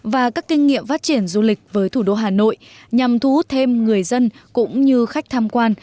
và các kinh nghiệm phát triển du lịch với thủ đô hà nội nhằm thu hút thêm người dân cũng như khách tham quan